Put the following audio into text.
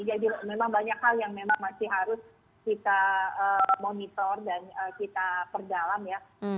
jadi memang banyak hal yang memang masih harus kita monitor dan kita perdalam ya